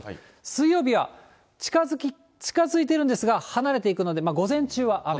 水曜日は近づいているんですが、離れていくので、午前中は雨。